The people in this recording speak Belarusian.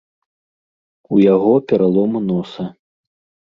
У яго пералом носа.